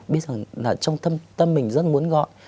biết rằng là trong tâm mình rất muốn gọi